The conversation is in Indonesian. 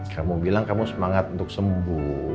kamu bilang kamu semangat untuk sembuh